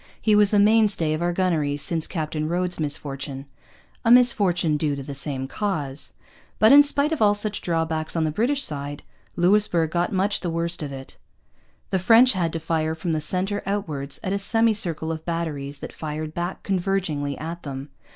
He was the mainstay of our gunnery since Captain Rhodes's misfortune' a misfortune due to the same cause. But, in spite of all such drawbacks on the British side, Louisbourg got much the worst of it. The French had to fire from the centre outwards, at a semicircle of batteries that fired back convergingly at them.